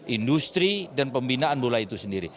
industri dan pembinaan bola itu sendiri